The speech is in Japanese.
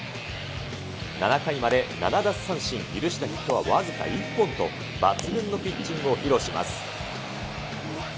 ７回まで７奪三振、許したヒットは僅か１本と、抜群のピッチングを披露します。